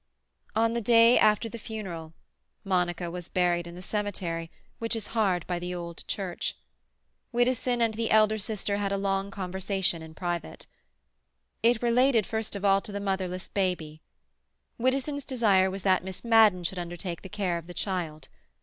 On the day after the funeral—Monica was buried in the cemetery, which is hard by the old church—Widdowson and the elder sister had a long conversation in private. It related first of all to the motherless baby. Widdowson's desire was that Miss Madden should undertake the care of the child.